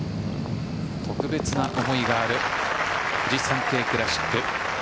特別な思いがあるフジサンケイクラシック。